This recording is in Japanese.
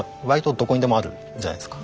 どこにでもあるじゃないですか。